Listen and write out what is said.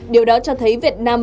điều đó cho thấy việt nam